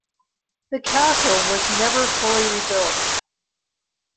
The castle was never fully rebuilt.